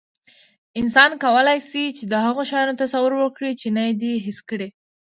انسان کولی شي، د هغو شیانو تصور وکړي، چې نه یې دي حس کړي.